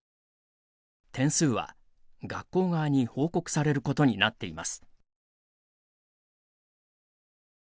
点数は、学校側に報告されることになっています。